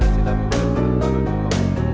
tidak mungkin berapa apa